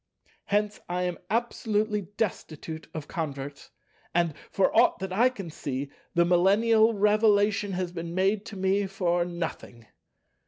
Hence I am absolutely destitute of converts, and, for aught that I can see, the millennial Revelation has been made to me for nothing.